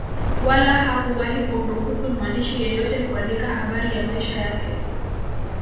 Wala hakuwahi kumruhusu mwandishi yeyote kuandika habari ya maisha yake